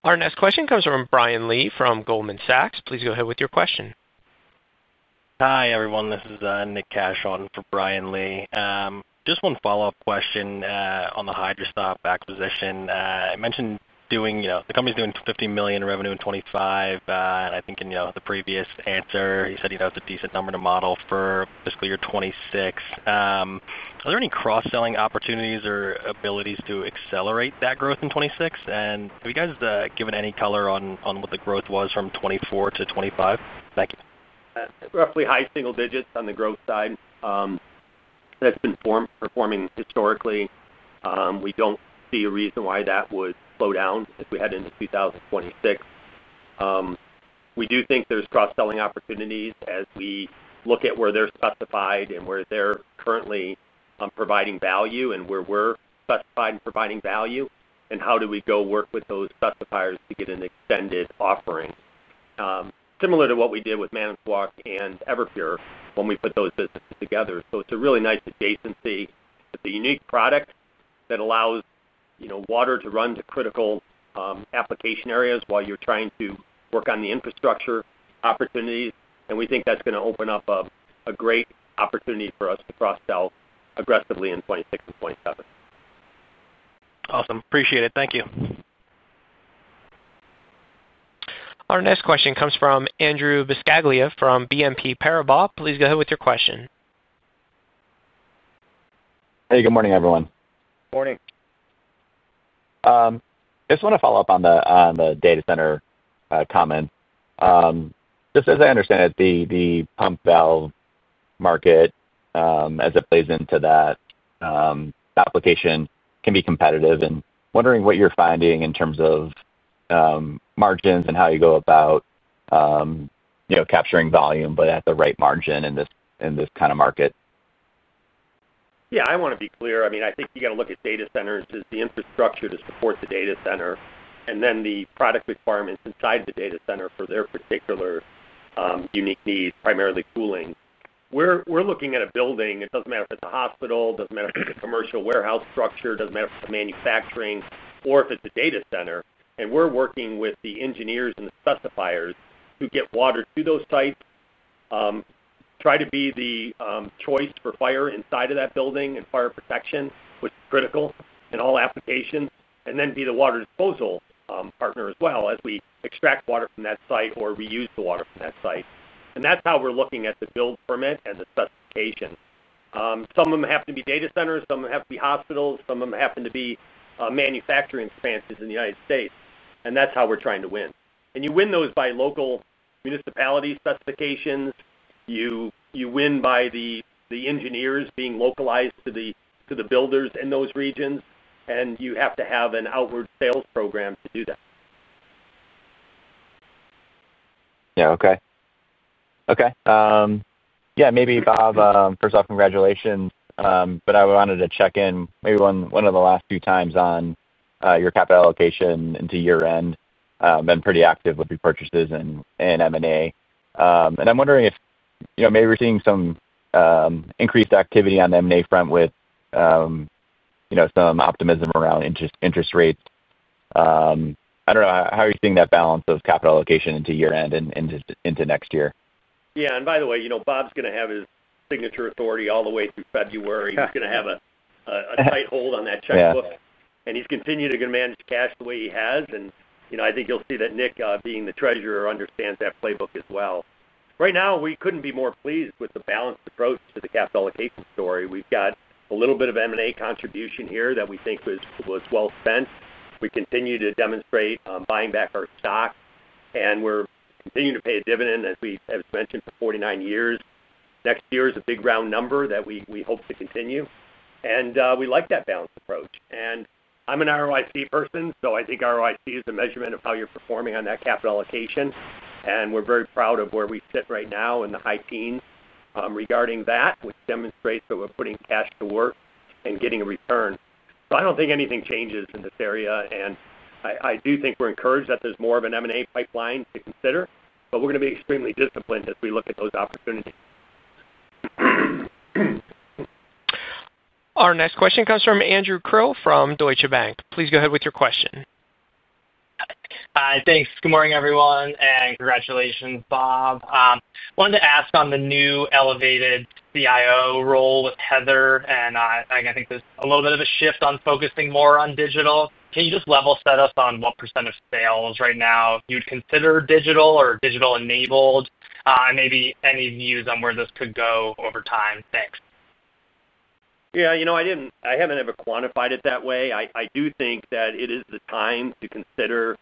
Our next question comes from Brian Lee from Goldman Sachs. Please go ahead with your question. Hi, everyone. This is Nick Cash on for Brian Lee. Just one follow-up question on the Hydra-Stop acquisition. I mentioned the company's doing $50 million in revenue in 2025, and I think in the previous answer, you said it's a decent number to model for fiscal year 2026. Are there any cross-selling opportunities or abilities to accelerate that growth in 2026? Have you given any color on what the growth was from 2024 to 2025? Thank you. Roughly high single digits on the growth side. That's been performing historically. We don't see a reason why that would slow down if we head into 2026. We do think there's cross-selling opportunities as we look at where they're specified and where they're currently providing value and where we're specified and providing value, and how do we go work with those specifiers to get an extended offering similar to what we did with Manitowoc and Everpure when we put those businesses together. It's a really nice adjacency. It's a unique product that allows, you know, water to run to critical application areas while you're trying to work on the infrastructure opportunities. We think that's going to open up a great opportunity for us to cross-sell aggressively in 2026 and 2027. Awesome. Appreciate it. Thank you. Our next question comes from Andrew Buscaglia from BNP Paribas. Please go ahead with your question. Hey, good morning, everyone. Morning. I just want to follow up on the data center comment. Just as I understand it, the pump valve market, as it plays into that application, can be competitive. I am wondering what you're finding in terms of margins and how you go about capturing volume, but at the right margin in this kind of market. Yeah, I want to be clear. I mean, I think you got to look at data centers as the infrastructure to support the data center and then the product requirements inside the data center for their particular unique needs, primarily cooling. We're looking at a building. It doesn't matter if it's a hospital, it doesn't matter if it's a commercial warehouse structure, it doesn't matter if it's a manufacturing, or if it's a data center. We're working with the engineers and the specifiers who get water to those sites, try to be the choice for fire inside of that building and fire protection, which is critical in all applications, and then be the water disposal partner as well as we extract water from that site or reuse the water from that site. That's how we're looking at the build permit and the specification. Some of them happen to be data centers, some of them happen to be hospitals, some of them happen to be manufacturing expanses in the United States. That's how we're trying to win. You win those by local municipality specifications. You win by the engineers being localized to the builders in those regions. You have to have an outward sales program to do that. Okay. Maybe Bob, first off, congratulations. I wanted to check in, maybe one of the last few times, on your capital allocation into year-end. I've been pretty active with the purchases in M&A, and I'm wondering if we're seeing some increased activity on the M&A front with some optimism around interest rates. I don't know. How are you seeing that balance of capital allocation into year-end and into next year? Yeah, by the way, Bob's going to have his signature authority all the way through February. He's going to have a tight hold on that checkbook. He's continued to manage cash the way he has. I think you'll see that Nick, being the Treasurer, understands that playbook as well. Right now, we couldn't be more pleased with the balanced approach to the capital allocation story. We've got a little bit of M&A contribution here that we think was well spent. We continue to demonstrate buying back our stock. We're continuing to pay a dividend, as we have mentioned, for 49 years. Next year is a big round number that we hope to continue. We like that balanced approach. I'm an ROIC person, so I think ROIC is a measurement of how you're performing on that capital allocation. We're very proud of where we sit right now in the high teens regarding that, which demonstrates that we're putting cash to work and getting a return. I don't think anything changes in this area. I do think we're encouraged that there's more of an M&A pipeline to consider, but we're going to be extremely disciplined as we look at those opportunities. Our next question comes from Andrew Krill from Deutsche Bank. Please go ahead with your question. Hi, thanks. Good morning, everyone, and congratulations, Bob. I wanted to ask on the new elevated CIO role with Heather, and I think there's a little bit of a shift on focusing more on digital. Can you just level set us on what percent of sales right now you'd consider digital or digital enabled? Maybe any views on where this could go over time. Thanks. Yeah, you know, I haven't ever quantified it that way. I do think that it is the time to consider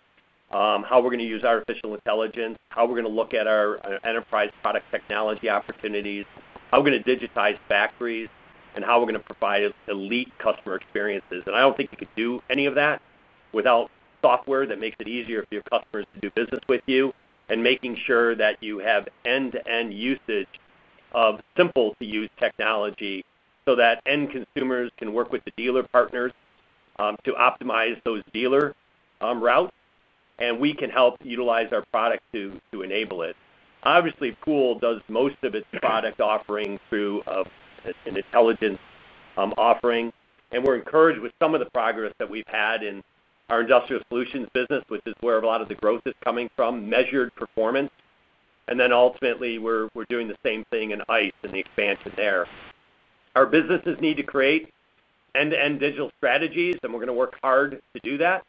how we're going to use artificial intelligence, how we're going to look at our enterprise product technology opportunities, how we're going to digitize factories, and how we're going to provide elite customer experiences. I don't think you could do any of that without software that makes it easier for your customers to do business with you and making sure that you have end-to-end usage of simple-to-use technology so that end consumers can work with the dealer partners to optimize those dealer routes. We can help utilize our product to enable it. Obviously, Pool does most of its product offering through an intelligence offering. We're encouraged with some of the progress that we've had in our industrial solutions business, which is where a lot of the growth is coming from, measured performance. Ultimately, we're doing the same thing in ICE and the expansion there. Our businesses need to create end-to-end digital strategies, and we're going to work hard to do that.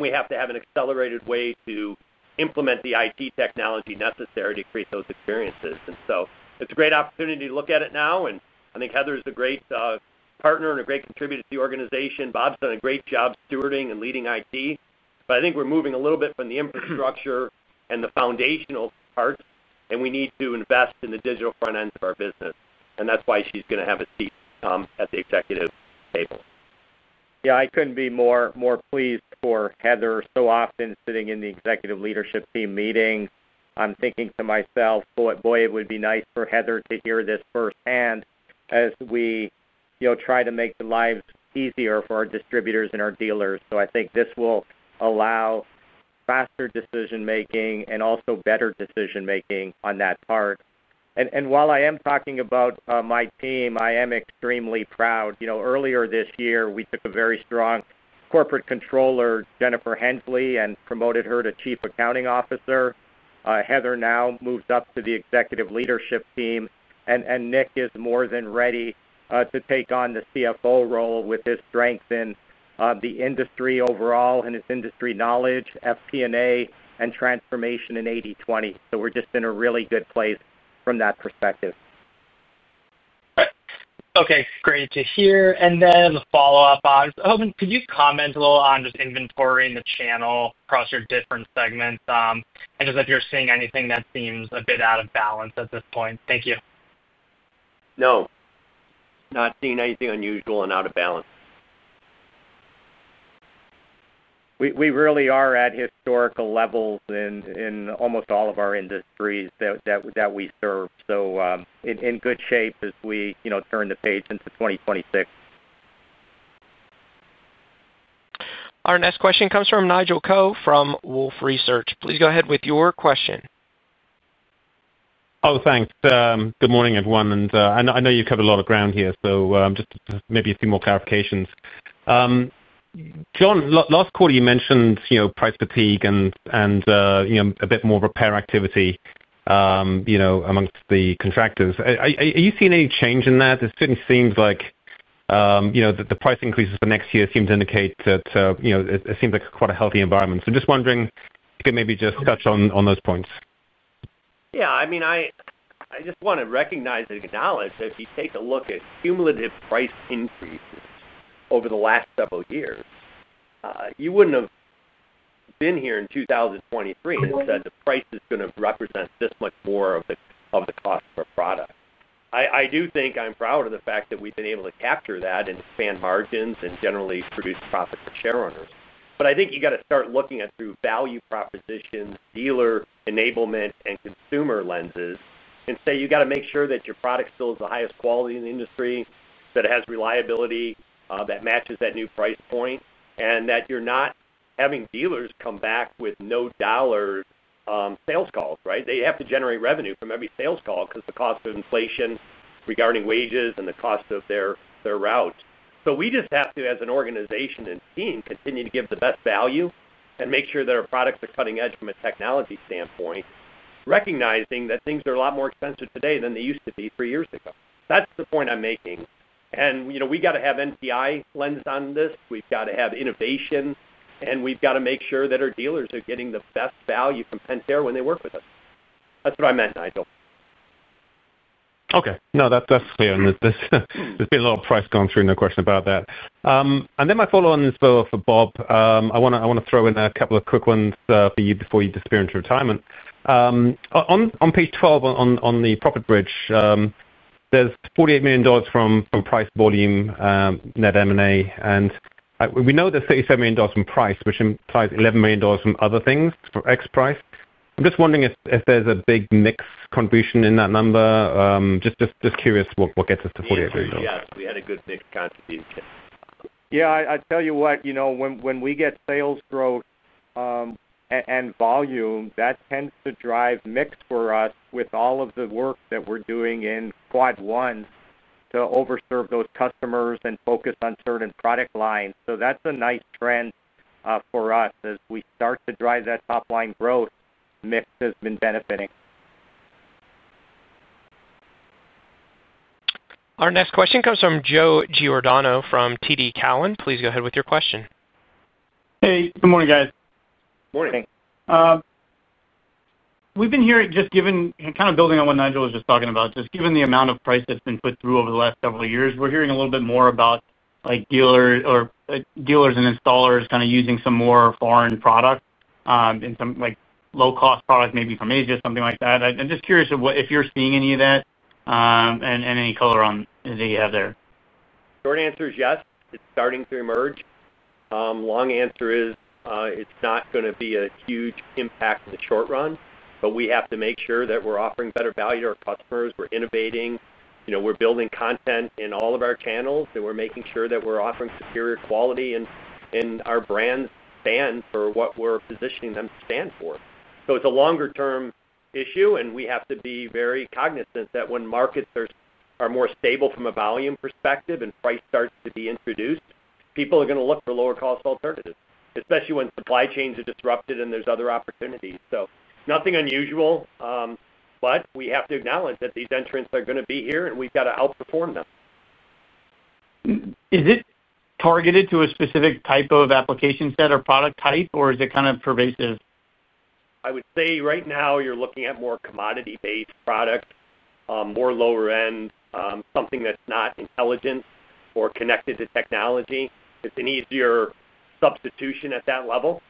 We have to have an accelerated way to implement the IT technology necessary to create those experiences. It's a great opportunity to look at it now. I think Heather is a great partner and a great contributor to the organization. Bob's done a great job stewarding and leading IT. I think we're moving a little bit from the infrastructure and the foundational parts, and we need to invest in the digital front ends of our business. That's why she's going to have a seat at the executive table. Yeah, I couldn't be more pleased for Heather. So often sitting in the Executive Leadership Team meetings, I'm thinking to myself, boy, it would be nice for Heather to hear this firsthand as we try to make the lives easier for our distributors and our dealers. I think this will allow faster decision-making and also better decision-making on that part. While I am talking about my team, I am extremely proud. Earlier this year, we took a very strong Corporate Controller, Jennifer Hensley, and promoted her to Chief Accounting Officer. Heather now moves up to the Executive Leadership Team. Nick is more than ready to take on the CFO role with his strength in the industry overall and his industry knowledge, FP&A, and transformation in 80/20. We're just in a really good place from that perspective. Okay, great to hear. A follow-up, Bob. I was hoping, could you comment a little on just inventory in the channel across your different segments? If you're seeing anything that seems a bit out of balance at this point. Thank you. No, not seeing anything unusual and out of balance. We really are at historical levels in almost all of our industries that we serve, so in good shape as we, you know, turn the page into 2026. Our next question comes from Nigel Coe from Wolfe Research. Please go ahead with your question. Thanks. Good morning, everyone. I know you've covered a lot of ground here, so maybe just a few more clarifications. John, last quarter you mentioned price fatigue and a bit more repair activity amongst the contractors. Are you seeing any change in that? It certainly seems like the price increases for next year seem to indicate that it seems like quite a healthy environment. Just wondering if you could maybe touch on those points. Yeah, I mean, I just want to recognize and acknowledge that if you take a look at cumulative price increases over the last several years, you wouldn't have been here in 2023 and said the price is going to represent this much more of the cost of our product. I do think I'm proud of the fact that we've been able to capture that and expand margins and generally produce profit for shareholders. I think you got to start looking at it through value propositions, dealer enablement, and consumer lenses and say you got to make sure that your product still is the highest quality in the industry, that it has reliability that matches that new price point, and that you're not having dealers come back with no dollar sales calls, right? They have to generate revenue from every sales call because of the cost of inflation regarding wages and the cost of their route. We just have to, as an organization and team, continue to give the best value and make sure that our products are cutting edge from a technology standpoint, recognizing that things are a lot more expensive today than they used to be three years ago. That's the point I'm making. You know, we got to have NPI lens on this. We've got to have innovation. We've got to make sure that our dealers are getting the best value from Pentair when they work with us. That's what I meant, Nigel. Okay. No, that's clear. There's been a lot of price going through, no question about that. My follow-on is for Bob. I want to throw in a couple of quick ones for you before you disappear into retirement. On page 12 on the profit bridge, there's $48 million from price volume net M&A. We know there's $37 million from price, which implies $11 million from other things, from X price. I'm just wondering if there's a big mix contribution in that number. Just curious what gets us to $48 million. Yes, we had a good mixed contribution. I tell you what, you know, when we get sales growth and volume, that tends to drive mix for us with all of the work that we're doing in quad one to overserve those customers and focus on certain product lines. That's a nice trend for us as we start to drive that top-line growth. Mix has been benefiting. Our next question comes from Joe Giordano from TD Cowen. Please go ahead with your question. Hey, good morning, guys. Morning. Thanks. We've been hearing, just building on what Nigel was just talking about, just given the amount of price that's been put through over the last several years, we're hearing a little bit more about dealers and installers using some more foreign products and some low-cost products, maybe from Asia, something like that. I'm just curious if you're seeing any of that and any color on that you have there. Short answer is yes. It's starting to emerge. Long answer is it's not going to be a huge impact in the short run, but we have to make sure that we're offering better value to our customers. We're innovating. We're building content in all of our channels, and we're making sure that we're offering superior quality in our brand's span for what we're positioning them to stand for. It is a longer-term issue, and we have to be very cognizant that when markets are more stable from a volume perspective and price starts to be introduced, people are going to look for lower-cost alternatives, especially when supply chains are disrupted and there are other opportunities. Nothing unusual, but we have to acknowledge that these entrants are going to be here and we've got to outperform them. Is it targeted to a specific type of application set or product type, or is it kind of pervasive? I would say right now you're looking at more commodity-based products, more lower-end, something that's not intelligent or connected to technology. It's an easier substitution at that level.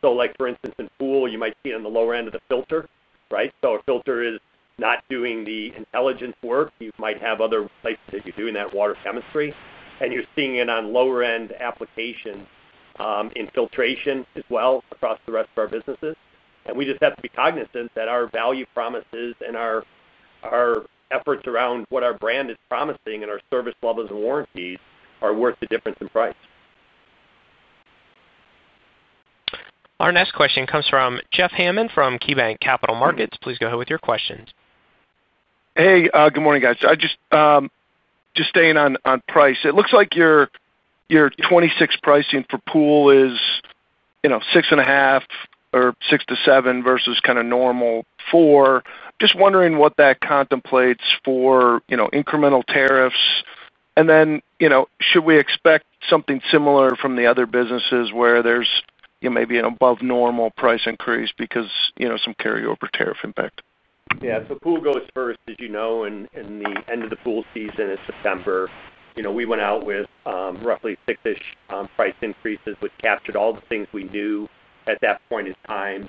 For instance, in Pool, you might see it on the lower end of the filter, right? A filter is not doing the intelligence work. You might have other places that you're doing that water chemistry. You're seeing it on lower-end applications in filtration as well across the rest of our businesses. We just have to be cognizant that our value promises and our efforts around what our brand is promising and our service levels and warranties are worth the difference in price. Our next question comes from Jeff Hammond from KeyBanc Capital Markets. Please go ahead with your questions. Hey, good morning, guys. Just staying on price. It looks like your 2026 pricing for Pool is, you know, 6.5% or 6%-7% versus kind of normal 4%. Just wondering what that contemplates for, you know, incremental tariffs. Should we expect something similar from the other businesses where there's, you know, maybe an above-normal price increase because, you know, some carryover tariff impact? Yeah, pool goes first, as you know, and the end of the pool season is September. We went out with roughly six-ish price increases. We captured all the things we knew at that point in time.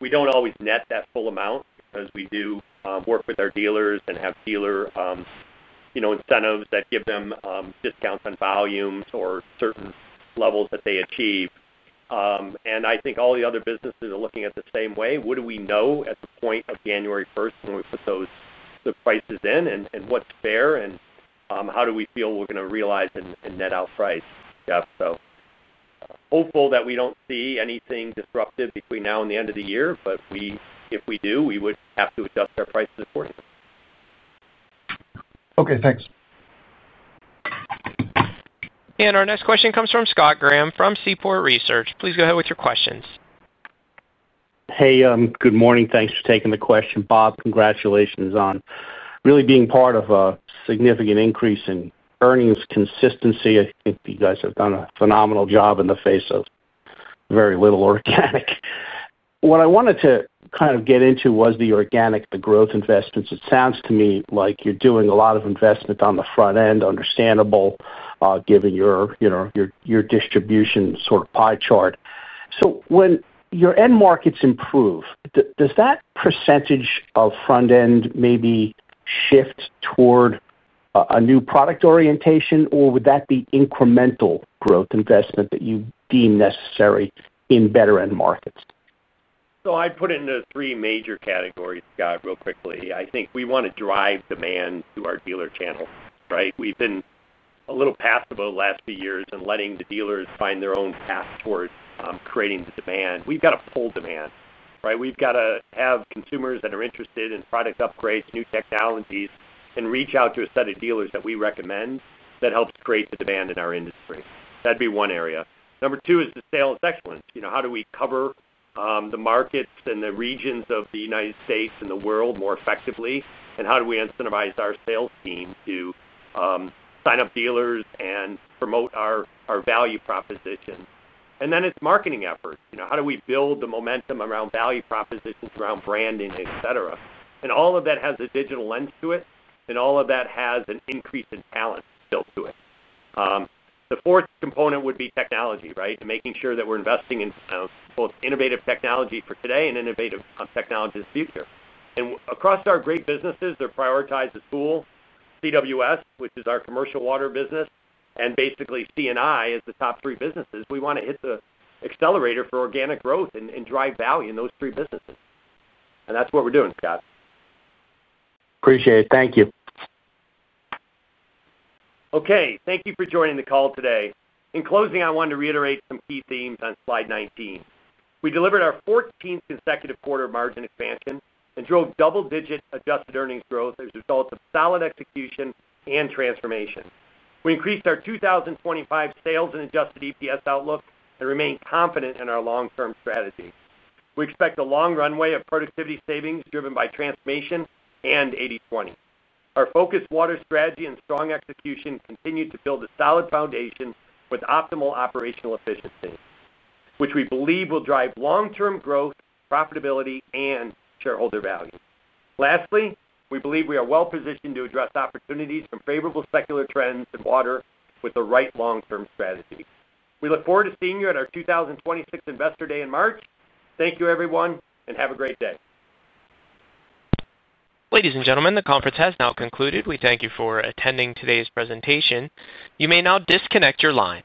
We do not always net that full amount because we do work with our dealers and have dealer incentives that give them discounts on volumes or certain levels that they achieve. I think all the other businesses are looking at it the same way. What do we know at the point of January 1st when we put those prices in, and what is fair, and how do we feel we are going to realize and net out price? Hopeful that we do not see anything disruptive between now and the end of the year, but if we do, we would have to adjust our prices accordingly. Okay, thanks. Our next question comes from Scott Graham from Seaport Research. Please go ahead with your questions. Hey, good morning. Thanks for taking the question, Bob. Congratulations on really being part of a significant increase in earnings consistency. I think you guys have done a phenomenal job in the face of very little organic. What I wanted to kind of get into was the organic, the growth investments. It sounds to me like you're doing a lot of investment on the front end, understandable, given your distribution sort of pie chart. When your end markets improve, does that percentage of front end maybe shift toward a new product orientation, or would that be incremental growth investment that you deem necessary in better end markets? I'd put it into three major categories, Scott, real quickly. I think we want to drive demand to our dealer channels, right? We've been a little passive over the last few years in letting the dealers find their own path towards creating the demand. We've got to pull demand, right? We've got to have consumers that are interested in product upgrades, new technologies, and reach out to a set of dealers that we recommend that helps create the demand in our industry. That would be one area. Number two is the sales excellence. How do we cover the markets and the regions of the United States and the world more effectively? How do we incentivize our sales team to sign up dealers and promote our value proposition? Then it's marketing efforts. How do we build the momentum around value propositions, around branding, etc.? All of that has a digital lens to it, and all of that has an increase in talent built to it. The fourth component would be technology, right? Making sure that we're investing in both innovative technology for today and innovative technology in the future. Across our great businesses, they're prioritized as PWS, which is our commercial water business, and basically C&I as the top three businesses. We want to hit the accelerator for organic growth and drive value in those three businesses. That's what we're doing, Scott. Appreciate it. Thank you. Okay, thank you for joining the call today. In closing, I wanted to reiterate some key themes on slide 19. We delivered our 14th consecutive quarter margin expansion and drove double-digit adjusted earnings growth as a result of solid execution and transformation. We increased our 2025 sales and adjusted EPS outlook and remain confident in our long-term strategy. We expect a long runway of productivity savings driven by transformation and 80/20 initiatives. Our focused water strategy and strong execution continue to build a solid foundation with optimal operational efficiency, which we believe will drive long-term growth, profitability, and shareholder value. Lastly, we believe we are well-positioned to address opportunities from favorable secular water trends with the right long-term strategy. We look forward to seeing you at our 2026 Investor Day in March. Thank you, everyone, and have a great day. Ladies and gentlemen, the conference has now concluded. We thank you for attending today's presentation. You may now disconnect your line.